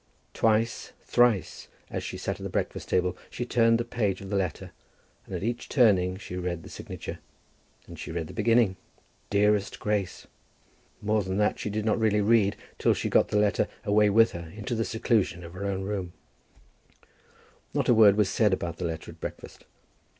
Twice, thrice, as she sat at the breakfast table she turned the page of the letter, and at each turning she read the signature. And she read the beginning, "Dearest Grace." More than that she did not really read till she had got the letter away with her into the seclusion of her own room. [Illustration: She read the beginning "Dearest Grace."] Not a word was said about the letter at breakfast.